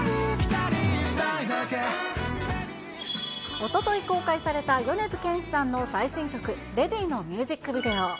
おととい公開された米津玄師さんの最新曲、ＬＡＤＹのミュージックビデオ。